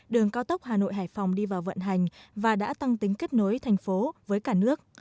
đường cao tốc hà nội hải phòng đi vào vận hành và đã tăng tính kết nối thành phố với cả nước